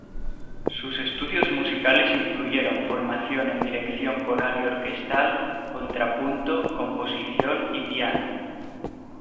Sus estudios musicales incluyeron formación en Dirección Coral y Orquestal, Contrapunto, Composición y Piano.